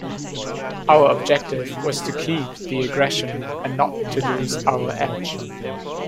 Our objective was to keep the aggression and not to loose our edge.